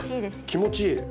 気持ちいい。